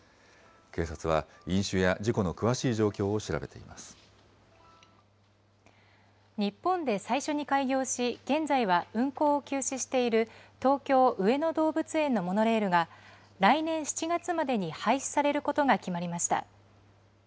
警察は飲酒や事故の詳しい状況を日本で最初に開業し、現在は運行を休止している東京・上野動物園のモノレールが、来年７月までに廃止されることが決まりました。